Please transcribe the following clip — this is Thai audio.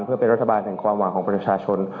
เพื่อเป็นรัฐบาลแห่งความหวังของประชาชน